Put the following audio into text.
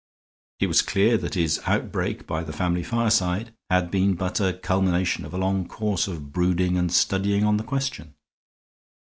It was clear that his outbreak by the family fireside had been but the culmination of a long course of brooding and studying on the question.